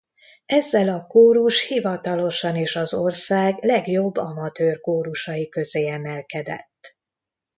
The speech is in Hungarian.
Ezzel a kórus hivatalosan is az ország legjobb amatőr kórusai közé emelkedett.